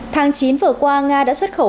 tháng chín vừa qua nga đã xuất khẩu